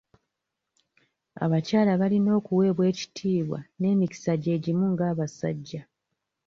Abakyala balina okuweebwa ekitiibwa n'emikisa gyegimu ng'abasajja.